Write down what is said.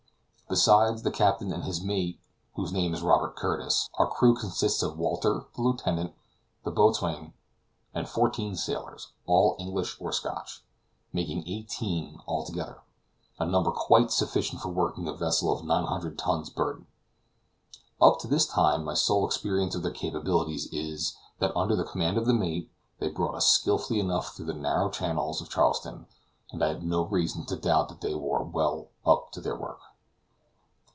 Besides the captain and this mate, whose name is Robert Curtis, our crew consists of Walter, the lieutenant, the boatswain, and fourteen sailors, all English or Scotch, making eighteen altogether, a number quite sufficient for working a vessel of 900 tons burden. Up to this time my sole experience of their capabilities is, that under the command of the mate, they brought us skillfully enough through the narrow channels of Charleston; and I have no reason to doubt that they are well up to their work.